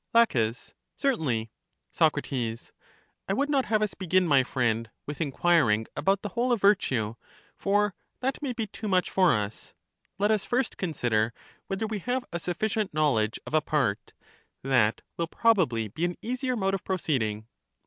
La, Certainly. Soc, I would not have us begin, my friend, with inquiring about the whole of virtue ; for that may be too much for us : let us first consider whether we have LACHES 103 a sufScient knowledge of a part; that will probably be an easier mode of proceeding.